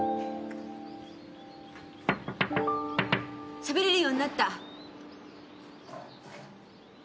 しゃべれるようになった。